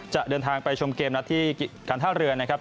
เดินทางไปชมเกมนัดที่การท่าเรือนะครับ